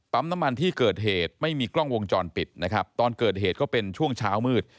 น้ำมันที่เกิดเหตุไม่มีกล้องวงจรปิดนะครับตอนเกิดเหตุก็เป็นช่วงเช้ามืด